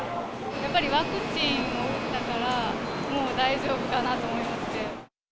やっぱりワクチン打ったから、もう大丈夫かなと思いまして。